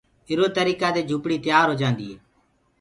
اِرو تريڪآ دي جُھوپڙي تيآر هوجآندي هي۔